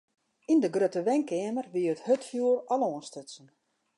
Yn de grutte wenkeamer wie it hurdfjoer al oanstutsen.